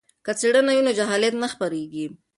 که څیړنه وي نو جهالت نه خپریږي.